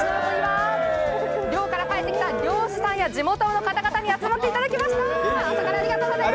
漁から帰ってきた漁師さんや地元の方々に集まっていただきました。